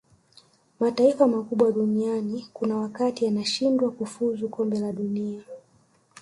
mataifa makubwa duniani kuna wakati yanashindwa kufuzu kombe la dunia